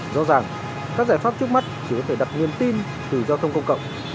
do rằng các giải pháp trước mắt chỉ có thể đặt niềm tin từ giao thông công cộng